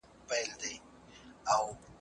څنګه د سقط جنین قوانین بدلیږي؟